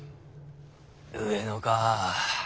上野かぁ。